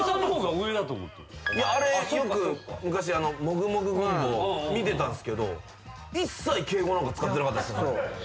あれよく昔『モグモグＧＯＭＢＯ』見てたんすけど一切敬語なんか使ってなかったですよね。